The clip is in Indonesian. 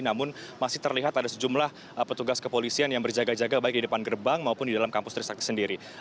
namun masih terlihat ada sejumlah petugas kepolisian yang berjaga jaga baik di depan gerbang maupun di dalam kampus trisakti sendiri